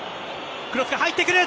クロスが入ってくる！